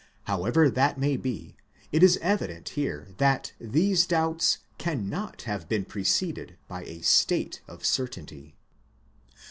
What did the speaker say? However that may be, it is evident here that these doubts cannot have been preceded by a state of certainty.